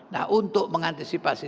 nah untuk mengantisipasi